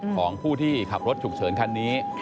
ของผู้ที่ขับรถฉุกเฉินคันนี้